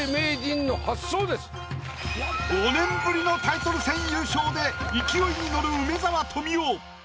５年ぶりのタイトル戦優勝で勢いに乗る梅沢富美男。